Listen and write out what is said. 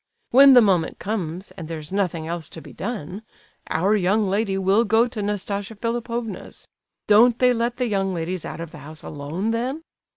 When the moment comes, and there's nothing else to be done—our young lady will go to Nastasia Philipovna's! Don't they let the young ladies out of the house alone, then?"